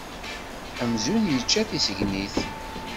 Amzun yečča tisegnit.